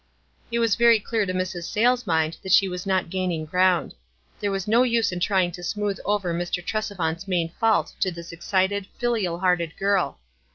'* It was very clear to Mrs. Sayles' mind that she was not gaining ground. There was no use in trying to smooth over Mr. Tresevant's main fault to this excited, filial hearted girl.